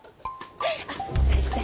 あっ先生